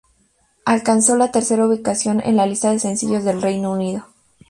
Alcanzó la tercera ubicación en la lista de sencillos del Reino Unido.